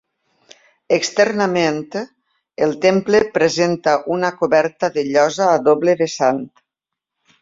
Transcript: Externament, el temple presenta una coberta de llosa a doble vessant.